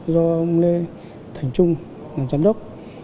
do ông lê thành trung làm giám đốc